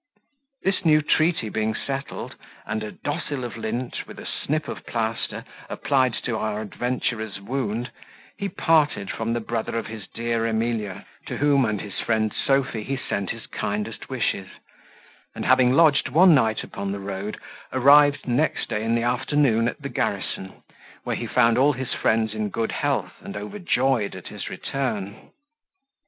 This new treaty being settled, and a dossil of lint, with a snip of plaster, applied to our adventurer's wound, he parted from the brother of his dear Emilia, to whom and his friend Sophy he sent his kindest wishes; and having lodged one night upon the road, arrived next day in the afternoon at the garrison, where he found all his friends in good health, and overjoyed at his return.